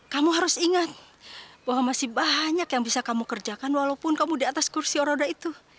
kamu harus ingat bahwa masih banyak yang bisa kamu kerjakan walaupun kamu di atas kursi roda itu